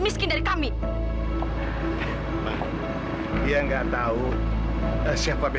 nanti pak maman akan nyusul ke sana ya